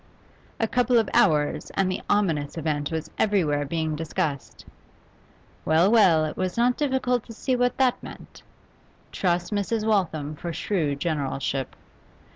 A couple of hours, and the ominous event was everywhere being discussed. Well, well, it was not difficult to see what that meant. Trust Mrs. Waltham for shrewd generalship.